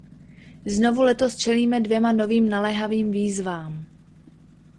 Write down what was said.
Znovu letos čelíme dvěma novým naléhavým výzvám.